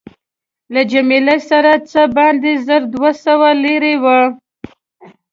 له جميله سره څه باندې زر دوه سوه لیرې وې.